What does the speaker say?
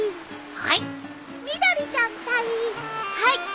はい。